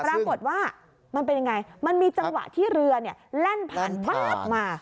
ปรากฏว่ามันเป็นยังไงมันมีจังหวะที่เรือเนี่ยแล่นผ่านวาบมา